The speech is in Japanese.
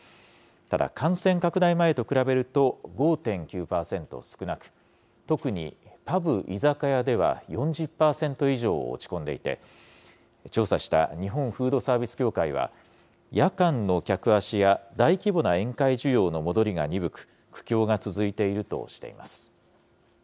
ただ、感染拡大前と比べると、５．９％少なく、特にパブ・居酒屋では４０％以上落ち込んでいて、調査した日本フードサービス協会は、夜間の客足や大規模な宴会需要の戻りが鈍く、苦境が続いているとしています。